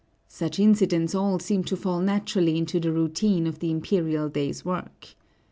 Such incidents all seem to fall naturally into the routine of the imperial day's work.